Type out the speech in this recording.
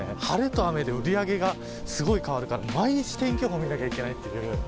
晴れと雨で売り上げがすごい変わるから毎日天気予報見なきゃいけないっていう。